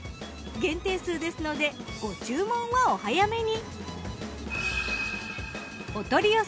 限定数ですのでご注文はお早めに。